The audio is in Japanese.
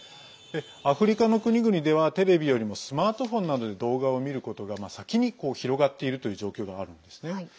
アフリカの国々ではテレビよりもスマートフォンなどで動画を見ることが先に広がっているという状況があるんですね。